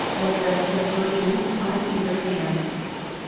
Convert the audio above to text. Like vestal virgins, on either hand.